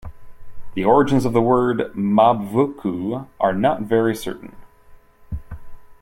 The origins of the Word "Mabvuku" are not very certain.